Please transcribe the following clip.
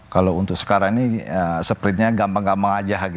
kalau untuk sekarang ini sprintnya gampang gampang aja